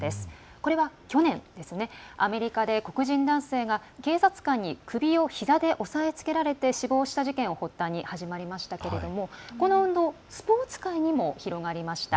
これは去年ですね、アメリカで黒人男性が警察官に首をひざで押さえつけられて死亡した事件を発端に始まりましたけれどもこの運動、スポーツ界にも広がりました。